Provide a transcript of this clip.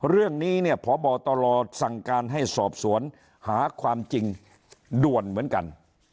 เรื่องนี้เนี่ยพบตลสั่งการให้สอบสวนหาความจริงด่วนเหมือนกัน